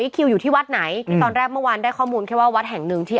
คิวอยู่ที่วัดไหนที่ตอนแรกเมื่อวานได้ข้อมูลแค่ว่าวัดแห่งหนึ่งที่